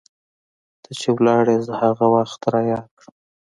ته چې ولاړي زه هغه وخت رایاد کړم